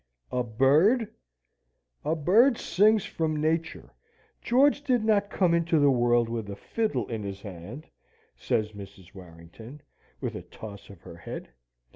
"A bird! A bird sings from nature; George did not come into the world with a fiddle in his hand," says Mrs. Warrington, with a toss of her head.